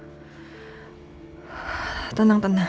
aku gak bisa dipercaya apa apa yang dia bilang